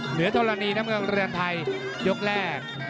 ธรณีน้ำเงินเรือนไทยยกแรก